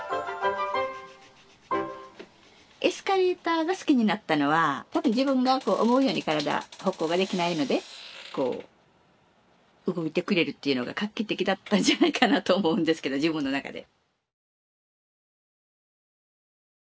エスカレーターが好きになったのは多分自分がこう思うように体歩行ができないのでこう動いてくれるっていうのが画期的だったんじゃないかなと思うんですけど自分の中で。